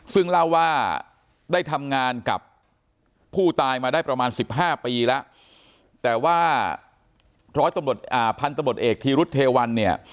ซึ่งเราว่าได้ทำงานกับผู้ตายมาได้ประมาณ๑๕ปีแล้วแต่ว่าพันธุ์ตำรวจเอกธีรุธเทวัน